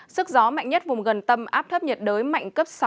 sức gió mạnh nhất vùng gần tâm áp thấp nhiệt đới mạnh cấp sáu